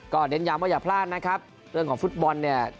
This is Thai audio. เน้นย้ำว่าอย่าพลาดนะครับเรื่องของฟุตบอลเนี่ย